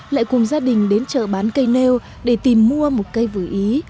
lại cùng gia đình đến chợ bán cây nêu để tìm mua một cây vừa ý